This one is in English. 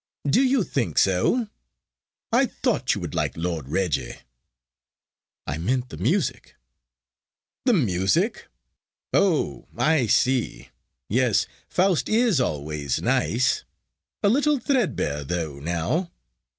"Do you think so? I thought you would like Lord Reggie." "I meant the music." "The music! Oh! I see. Yes, 'Faust' is always nice; a little threadbare though, now.